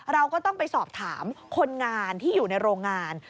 เราก็ต้องไปสอบถามคนงานที่อยู่ในโรงงาน